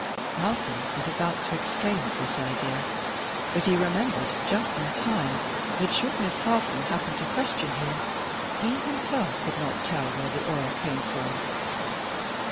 Malcolm was about to exclaim at this idea, but he remembered just in time that, should Miss Harson happen to question him, he himself could not tell where the oil came from.